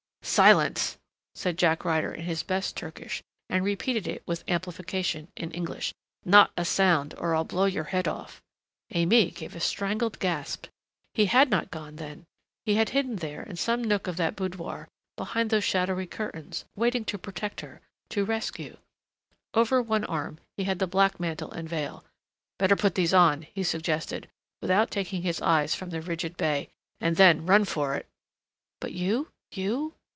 "Silence!" said Jack Ryder in his best Turkish and repeated it, with amplification, in English. "Not a sound or I'll blow your head off." Aimée gave a strangled gasp. He had not gone, then! He had hidden there, in some nook of that boudoir behind those shadowy curtains, waiting to protect her, to rescue.... Over one arm he had the black mantle and veil, "Better put these on," he suggested, without taking his eyes from the rigid bey, "and then run for it." "But you you